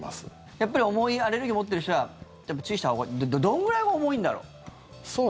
やっぱり重いアレルギーを持っている人は注意したほうがどれぐらいが重いんだろう？